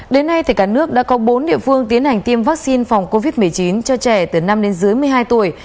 đến nay cả nước đã có bốn địa phương tiến hành tiêm vaccine phòng covid một mươi chín cho trẻ từ năm đến dưới một mươi hai tuổi